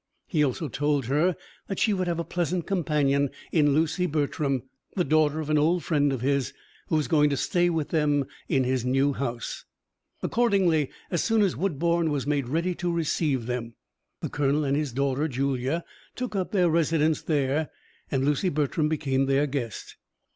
He also told her that she would have a pleasant companion in Lucy Bertram, the daughter of an old friend of his, who was going to stay with them in his new house. Accordingly, as soon as Woodbourne was made ready to receive them, the colonel and his daughter Julia took up their residence there, and Lucy Bertram became their guest.